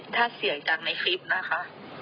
ถ้าเสียงจากในคลิปนะคะ